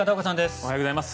おはようございます。